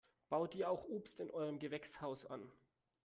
Baut ihr auch Obst in eurem Gewächshaus an?